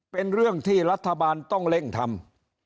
เป็นเรื่องที่รัฐบาลต้องเร่งทำ